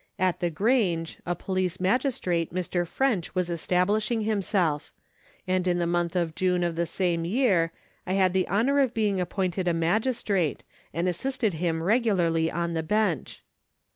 At the Grange, a police magis trate, Mr. French, was establishing himself ; and in the month of June of the same year I had the honour of being appointed a magis trate, and assisted him regularly on the bench.